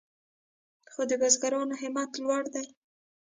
خو د بزګرانو همت لوړ دی.